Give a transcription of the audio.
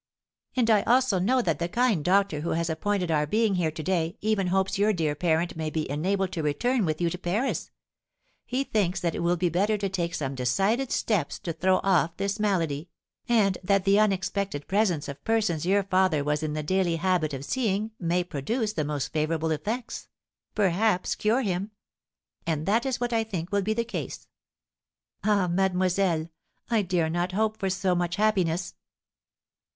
"And I also know that the kind doctor who has appointed our being here to day even hopes your dear parent may be enabled to return with you to Paris; he thinks that it will be better to take some decided steps to throw off this malady, and that the unexpected presence of persons your father was in the daily habit of seeing may produce the most favourable effects, perhaps cure him; and that is what I think will be the case." "Ah, mademoiselle, I dare not hope for so much happiness."